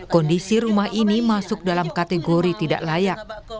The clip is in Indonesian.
kondisi rumah ini masuk dalam kategori tidak layak